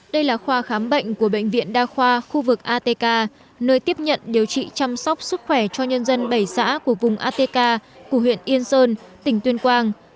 đây là khoa khám bệnh của bệnh viện đa khoa khu vực atk nơi tiếp nhận điều trị chăm sóc sức khỏe cho nhân dân bảy xã của vùng atk của huyện yên sơn tỉnh tuyên quang